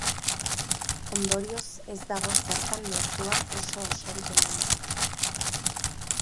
Ondorioz, ez dago zertan mezua oso-osorik eman behar.